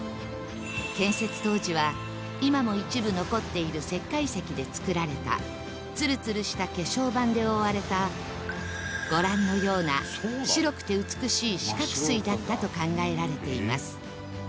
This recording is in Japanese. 建設当時は今も一部残っている石灰石で造られたツルツルした化粧板で覆われたご覧のような白くて美しい四角錐だったと考えられています